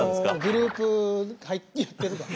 グループやってるから。